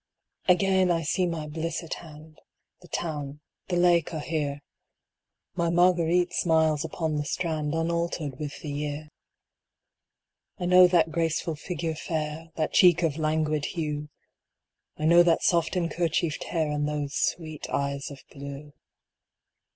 Again I see my bliss at hand ; The town, the lake are here. My Marguerite smiles upon the strand Unalter'd with the year. 164 Poems. I know that graceful figure fair, That cheek of languid hue ; I know that soft enkerchief d hair, And those sweet eyes of blue.